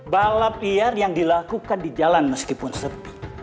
balap liar yang dilakukan di jalan meskipun sepi